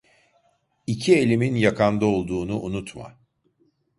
İki elimin yakanda olduğunu unutma…